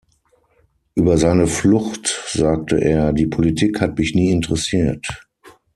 Über seine Flucht sagte er: „Die Politik hat mich nie interessiert.